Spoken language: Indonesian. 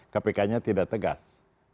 kpk nya tidak tegas